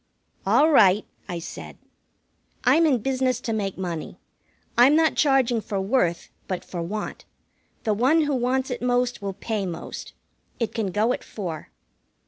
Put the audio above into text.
"All right," I said. "I'm in business to make money. I'm not charging for worth, but for want. The one who wants it most will pay most. It can go at four."